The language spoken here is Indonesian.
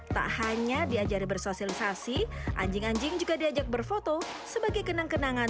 tak hanya diajari bersosialisasi anjing anjing juga diajak berfoto sebagai kenang kenangan